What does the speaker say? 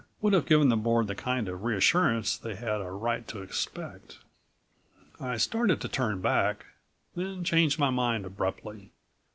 would have given the Board the kind of reassurance they had a right to expect. I started to turn back, then changed my mind abruptly.